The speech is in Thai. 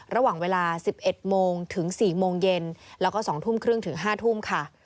ระหว่างเวลา๑๑โมงถึง๔โมงเย็นแล้วก็๒ทุ่มครึ่งถึง๕ทุ่มค่ะ